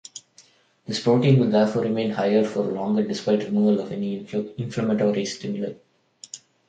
This protein will therefore remain higher for longer despite removal of the inflammatory stimuli.